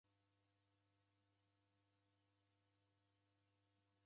Okurudulwa ni igare.